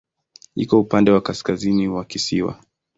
Iko upande wa kaskazini wa kisiwa.